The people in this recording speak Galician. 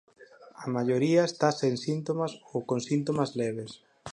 A maioría está sen síntomas ou con síntomas leves.